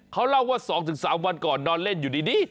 เขาเล่าว่า๒๓วันก่อนนอนเล่นอยู่ดี